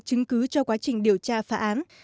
chứng cứ cho quá trình điều tra phá án